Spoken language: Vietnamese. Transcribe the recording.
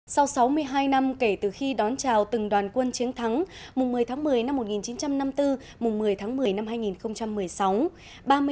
sau sáu mươi hai năm kể từ khi đón chào từng đoàn quân chiến thắng mùng một mươi tháng một mươi năm một nghìn chín trăm năm mươi bốn mùng một mươi tháng một mươi năm hai nghìn một mươi sáu